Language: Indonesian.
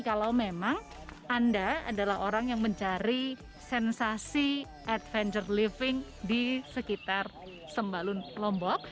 kalau memang anda adalah orang yang mencari sensasi adventure living di sekitar sembalun lombok